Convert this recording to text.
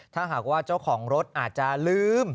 ถ้าหากว่าเจ้าของรถอาจจะลืม